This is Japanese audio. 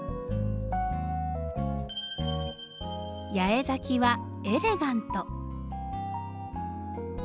八重咲きはエレガント。